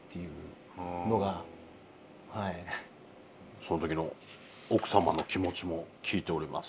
その時の奥様の気持ちも聞いております。